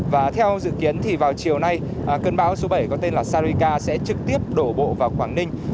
và theo dự kiến thì vào chiều nay cơn bão số bảy có tên là sarika sẽ trực tiếp đổ bộ vào quảng ninh